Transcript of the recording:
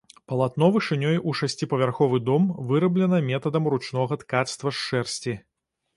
Палатно вышынёй у шасціпавярховы дом выраблена метадам ручнога ткацтва з шэрсці.